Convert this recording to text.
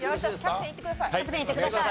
キャプテンいってください。